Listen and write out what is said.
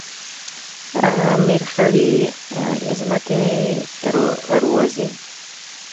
مرخیړي له ځمکې راوځي